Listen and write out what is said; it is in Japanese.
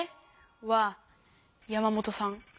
は山本さん。